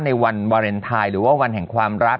ในวันวาเลนไทยหรือว่าวันแห่งความรัก